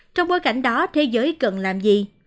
trong bối cảnh đó thế giới cần làm gì